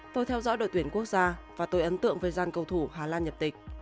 tôi theo dõi đội tuyển quốc gia và tôi ấn tượng về jan cầu thủ hà lan nhập tịch